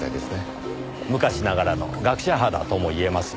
昔ながらの学者肌とも言えますよ。